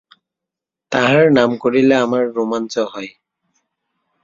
তাহার নাম করিলে আমার রোমাঞ্চ হয়।